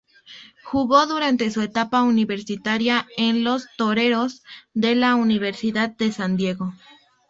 Jugó durante su etapa universitaria en los "Toreros" de la Universidad de San Diego.